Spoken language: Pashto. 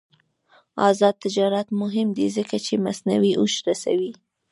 آزاد تجارت مهم دی ځکه چې مصنوعي هوش رسوي.